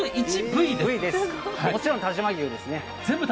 もちろん但馬牛ですね。